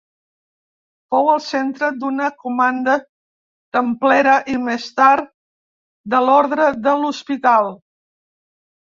Fou el centre d'una comanda templera i més tard de l'orde de l'Hospital.